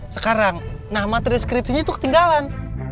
sekarang nah materi deskripsinya tuh ketinggalan